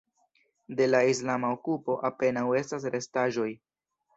De la islama okupo apenaŭ estas restaĵoj.